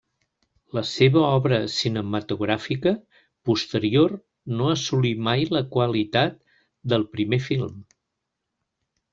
La seva obra cinematogràfica posterior no assolí mai la qualitat del primer film.